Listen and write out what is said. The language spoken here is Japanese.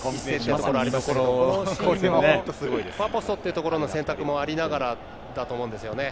ファーポストというところの選択もありながらだと思うんですよね。